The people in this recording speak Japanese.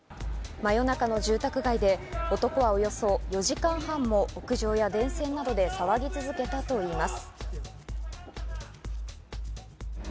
真夜中の住宅街で男はおよそ４時間半も屋上や電線などで騒ぎ続けたといいます。